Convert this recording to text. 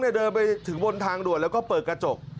แล้วน่าจะเปิดกระจก